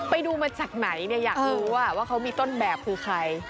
ไปดูมาจากไหนเนี่ยอยากรู้ว่าเขามีต้นแบบคือใคร